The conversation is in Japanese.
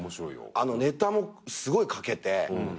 ネタもすごい書けて。